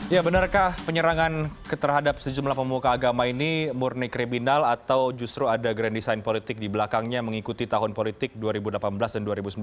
ya benarkah penyerangan terhadap sejumlah pemuka agama ini murni kriminal atau justru ada grand design politik di belakangnya mengikuti tahun politik dua ribu delapan belas dan dua ribu sembilan belas